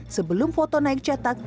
sebelum foto naik cetak